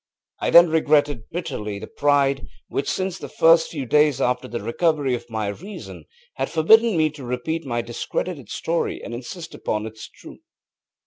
I then regretted bitterly the pride which since the first few days after the recovery of my reason had forbidden me to repeat my discredited story and insist upon its truth.